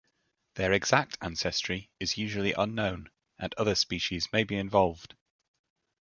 Their exact ancestry is usually unknown and other species may be involved.